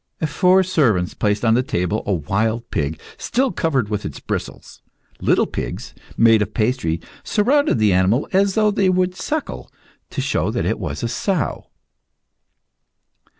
Four servants placed on the table a wild pig, still covered with its bristles. Little pigs, made of pastry, surrounded the animal, as though they would suckle, to show that it was a sow.